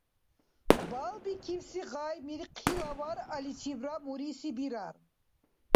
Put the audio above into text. Балбикибси гъай мирхъила варъаличибра муриси бирар.